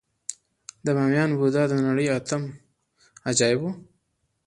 د بامیانو بودا د نړۍ اتم عجایب و